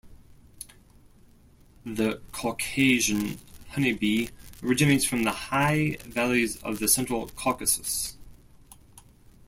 The Caucasian honey bee originates from the high valleys of the Central Caucasus.